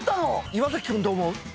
岩君どう思う？